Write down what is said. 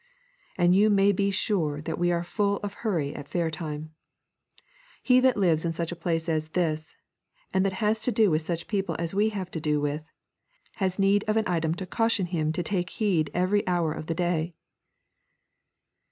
And you may be sure that we are full of hurry at fair time. He that lives in such a place as this is, and that has to do with such as we have to do with, has need of an item to caution him to take heed every hour of the day.'